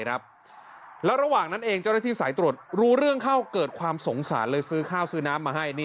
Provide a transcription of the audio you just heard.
แล้วระหว่างนั้นเองเจ้าหน้าที่สายตรวจรู้เรื่องเข้าเกิดความสงสารเลยซื้อข้าวซื้อน้ำมาให้